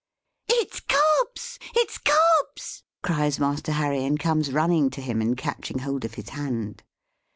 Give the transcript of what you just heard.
"It's Cobbs! It's Cobbs!" cries Master Harry, and comes running to him, and catching hold of his hand.